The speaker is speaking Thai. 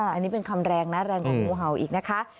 อันนี้เป็นคำแรงนะแรงของงูเห่าอีกนะคะ